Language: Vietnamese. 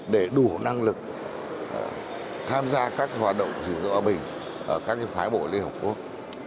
để đủ năng lực tham gia các hoạt động gìn giữ hòa bình ở các phái bộ liên hợp quốc